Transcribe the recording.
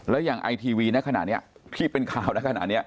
แล้วยังไอทีวีนะขนาดนี้ที่เป็นข่าวนะขนาดนี้